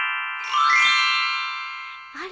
あれ？